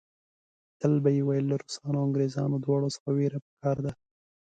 تل به یې ویل له روسانو او انګریزانو دواړو څخه وېره په کار ده.